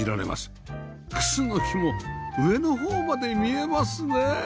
クスノキも上の方まで見えますね！